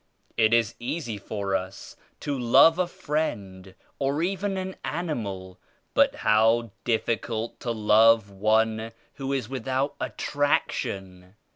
It is easy for us to love a friend or even an animal, but how difficult to love one who is without attraction.